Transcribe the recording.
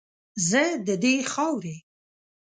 زه ددې خاورې